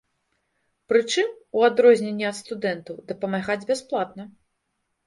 Прычым, у адрозненне ад студэнтаў, дапамагаць бясплатна.